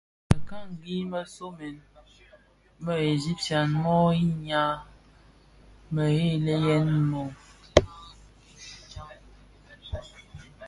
Mëkangi më somèn më Egyptien mo yinnya mëdhèliyèn no?